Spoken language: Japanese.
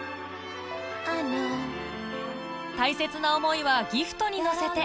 大切な思いはギフトに乗せて